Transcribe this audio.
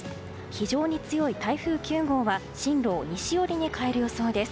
非常に強い台風９号は進路を西寄りに変える予想です。